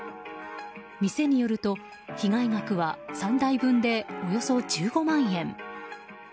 店によると被害額は３台分でおよそ１５万円。